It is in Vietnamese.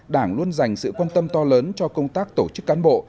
đảng luôn dành sự quan tâm to lớn cho công tác tổ chức cán bộ